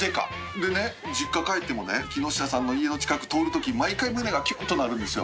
でね実家帰ってもね木下さんの家の近く通るとき毎回胸がキュンッとなるんですよ。